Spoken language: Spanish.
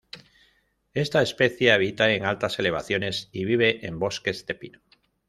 Esta especie habita en altas elevaciones y vive en bosques de pino.